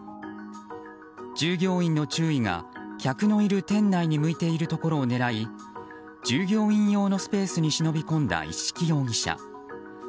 従業員の注意が客のいる店内に向いているところを狙い従業員用のスペースに忍び込んだ一色容疑者。